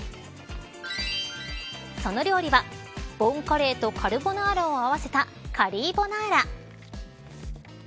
その料理はボンカレーとカルボナーラを合わせた、カリーボナーラ。